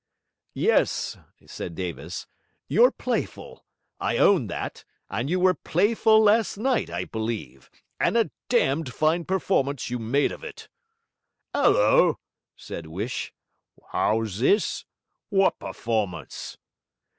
'Yes,' said Davis, 'you're playful; I own that; and you were playful last night, I believe, and a damned fine performance you made of it.' ''Allo!' said Huish. ''Ow's this? Wot performance?'